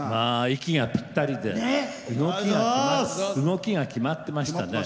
息がぴったりで動きが決まってましたね。